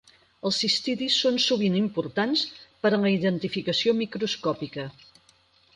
Els cistidis són sovint importants per a la identificació microscòpica.